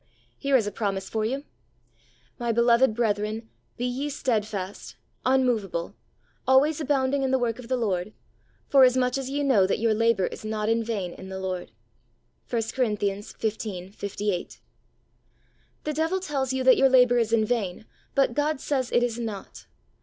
Here is a promise for you, " My beloved brethren, be ye steadfast, unmovable, always abounding in the work of the Lord, forasmuch as ye know that your labour is not in vain in the Lord '' (i Cor. XV, 58). The devil tells you that your labour is vain, but God says it is not.